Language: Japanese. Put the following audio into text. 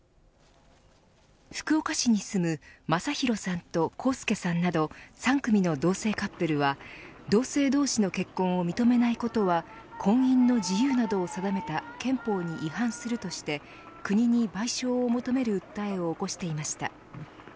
福岡市に住むまさひろさんとこうすけさんなど３組の同性カップルは同性同士の結婚を認めないことは婚姻の自由などを定めた憲法に違反するとして国に賠償を求める訴えを起こしていました。